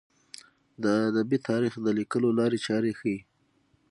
د ادبي تاریخ د لیکلو لارې چارې ښيي.